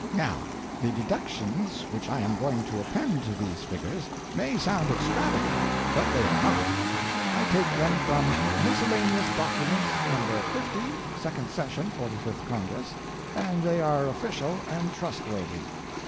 Now the deductions which I am going to append to these figures may sound extravagant, but they are not. I take them from Miscellaneous Documents No. 50, second session 45th Congress, and they are official and trustworthy.